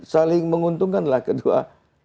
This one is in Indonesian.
saling menguntungkanlah kedua